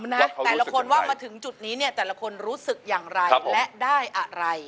แต่ละคนว่ามาถึงจุดนี้เนี่ยแต่ละคนรู้สึกอย่างไรและได้อะไร